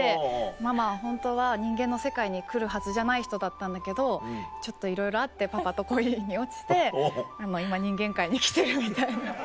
「ママはホントは人間の世界に来るはずじゃない人だったんだけどちょっといろいろあってパパと恋に落ちて今人間界に生きてる」みたいな。